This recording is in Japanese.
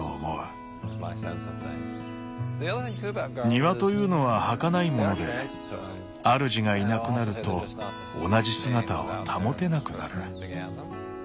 庭というのははかないもので主がいなくなると同じ姿を保てなくなる。